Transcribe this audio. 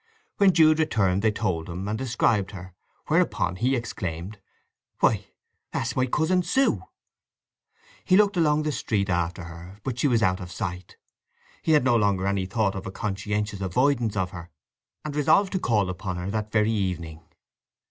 When Jude returned they told him, and described her, whereupon he exclaimed, "Why—that's my cousin Sue!" He looked along the street after her, but she was out of sight. He had no longer any thought of a conscientious avoidance of her, and resolved to call upon her that very evening.